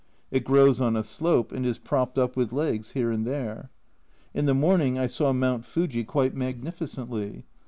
It grows on a slope, and is propped up with legs here and there. In the morning I saw A Journal from Japan 171 Mount Fuji quite magnificently.